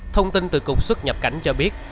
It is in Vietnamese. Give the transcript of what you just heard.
thông tin từ cục xuất nhập cảnh cho biết